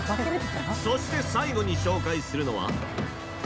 そして、最後に紹介するのは。